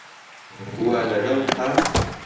وه لەگەڵ تا